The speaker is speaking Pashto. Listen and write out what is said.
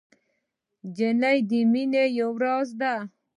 نجلۍ د مینې یو راز ده.